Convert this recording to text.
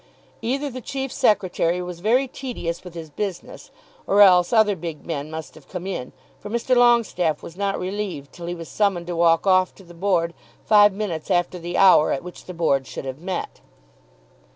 Either the chief secretary was very tedious with his business, or else other big men must have come in, for Mr. Longestaffe was not relieved till he was summoned to walk off to the Board five minutes after the hour at which the Board should have met.